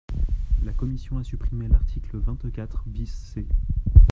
La commission a supprimé l’article vingt-quatre bis C.